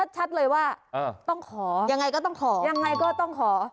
ชัดเลยว่าต้องขอยังไงก็ต้องขอ